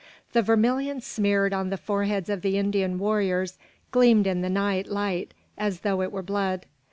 The vermilion smeared on the foreheads of the Indian warriors gleamed in the night light as though it were blood.